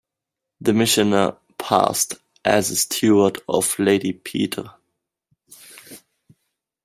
The missioner passed as a steward of Lady Petre.